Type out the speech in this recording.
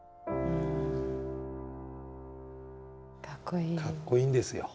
かっこいいんですよ。